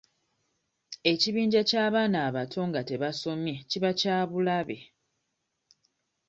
Ekibinja ky'abaana abato nga tebasomye kiba kya bulabe.